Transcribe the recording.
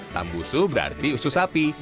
tambusu berarti usus sapi